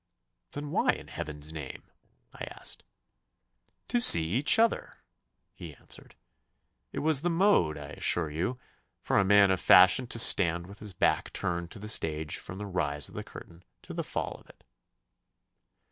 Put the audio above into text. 'Then why, in Heaven's name?' I asked. 'To see each other,' he answered. 'It was the mode, I assure you, for a man of fashion to stand with his back turned to the stage from the rise of the curtain to the fall of it.